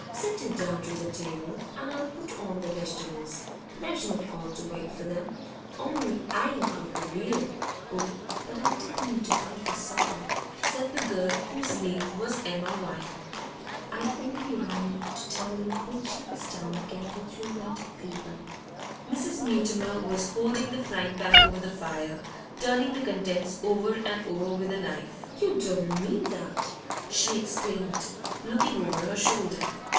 Sit you down to the table, and I'll put on the vegetables; there's no call to wait for them. Only I ain't got the beer.' 'Oh, but I didn't mean to come for supper,' said the girl, whose name was Emma Vine. 'I only ran in to tell you poor Jane's down again with rheumatic fever.' Mrs. Mutimer was holding the frying pan over the fire, turning the contents over and over with a knife. 'You don't mean that!' she exclaimed, looking over her shoulder.